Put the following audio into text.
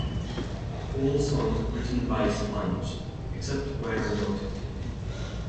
All songs written by Sponge except where noted.